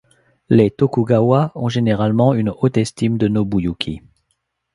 Les Tokugawa ont généralement une haute estime de Nobuyuki.